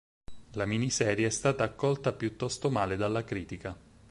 La miniserie è stata accolta piuttosto male dalla critica.